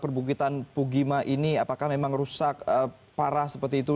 perbukitan pugima ini apakah memang rusak parah seperti itu